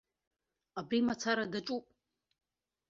Абри мацара даҿуп.